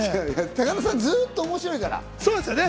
高田さん、ずっと面白いから。